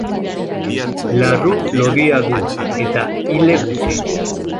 Larru lodia du, eta ile gutxi.